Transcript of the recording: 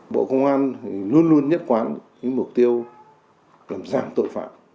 bộ công an luôn luôn nhất quán mục tiêu làm giảm tội phạm